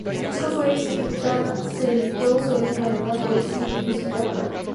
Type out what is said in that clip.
El disco fue edición limitada; se editó solo en Canadá por Sony Music Canada.